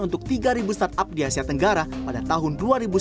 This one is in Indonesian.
untuk tiga ribu start up di asia tenggara pada tahun dua ribu sembilan belas